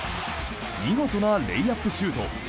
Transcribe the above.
見事なレイアップシュート。